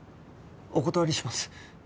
お断りします。